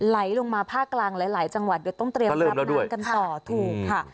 ไหลลงมาภาคกลางหลายจังหวัดเดี๋ยวต้องเตรียมรับน้ำกันต่อถูกค่ะ